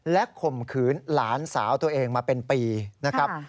และข่มขืนหลานสาวตัวเองมาเป็นปีนะครับ